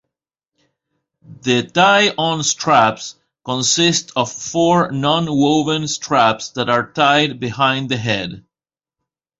The tie-on straps consist of four non-woven straps that are tied behind the head.